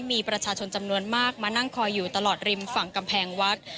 มีประชาชนจำนวนมากมานั่งคอยอยู่ตลอดริมฝั่งกำแพงวัด